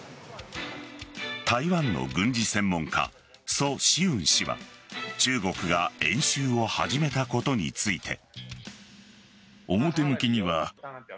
台湾の軍事専門家ソ・シウン氏は中国が演習を始めたことについて。